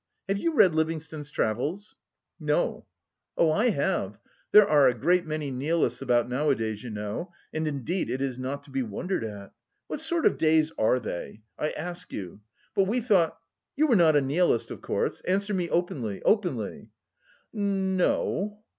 Have you read Livingstone's Travels?" "No." "Oh, I have. There are a great many Nihilists about nowadays, you know, and indeed it is not to be wondered at. What sort of days are they? I ask you. But we thought... you are not a Nihilist of course? Answer me openly, openly!" "N no..."